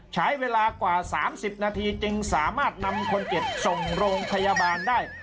ใช้เวลากว่า๓๐นาทีจึงสามารถนำคนเจ็บส่งโรงพยาบาลได้